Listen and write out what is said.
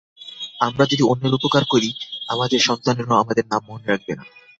আমরা যদি অন্যের উপকার করি, আমাদের সন্তানরাও আমাদের নাম মনে রাখবে না।